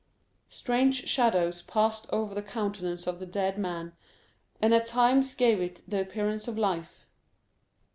Strange shadows passed over the countenance of the dead man, and at times gave it the appearance of life.